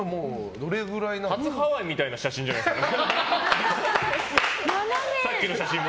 初ハワイみたいな写真じゃないですか。